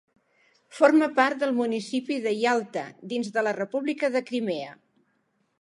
Forma part del municipi de Ialta, dins de la República de Crimea.